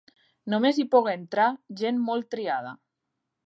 Només hi pogué entrar gent molt triada.